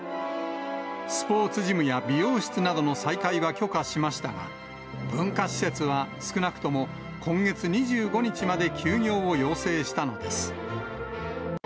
スポーツジムや美容室などの再開は許可しましたが、文化施設は少なくとも今月２５日まで休業を要請したのです。